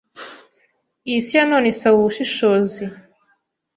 Iyisi ya none isaba ubushishozi